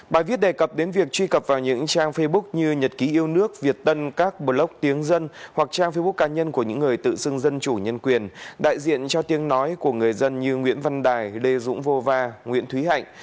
bài viết đề cập đến việc truy cập vào những trang facebook như nhật ký yêu nước việt tân các blog tiếng dân hoặc trang facebook cá nhân của những người tự xưng dân chủ nhân quyền đại diện cho tiếng nói của người dân như nguyễn văn đài lê dũng vô va nguyễn thúy hạnh